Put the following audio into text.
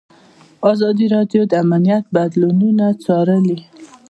ازادي راډیو د امنیت بدلونونه څارلي.